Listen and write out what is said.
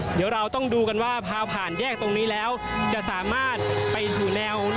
เดี๋ยวเราต้องดูกันว่าพาผ่านแยกตรงนี้แล้วจะสามารถไปอยู่แนว